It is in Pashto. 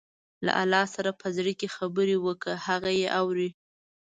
له الله سره په خپل زړه کې خبرې وکړئ، هغه يې اوري.